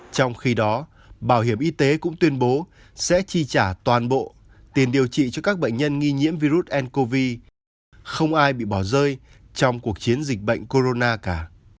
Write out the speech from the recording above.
trong khi đó bảo hiểm y tế cũng tuyên bố sẽ chi trả toàn bộ tiền điều trị cho các bệnh nhân nghi nhiễm virus ncov không ai bị bỏ rơi trong cuộc chiến dịch bệnh corona cả